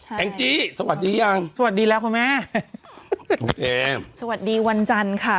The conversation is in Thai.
แองจี้สวัสดียังสวัสดีแล้วคุณแม่น้องเอมสวัสดีวันจันทร์ค่ะ